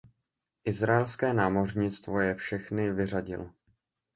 Izraelské námořnictvo je všechny vyřadilo.